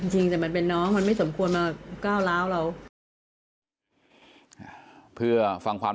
จริงแต่มันเป็นน้องมันไม่สมพวงมาก้าวราวเรา